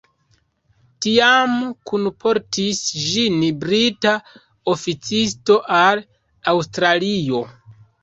Tiam kunportis ĝin brita oficisto al Aŭstralio.